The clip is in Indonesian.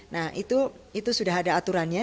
nah itu sudah ada aturannya